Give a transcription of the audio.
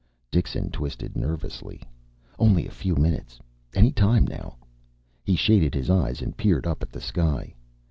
Dixon twisted nervously. Only a few minutes. Any time, now. He shaded his eyes and peered up at the sky.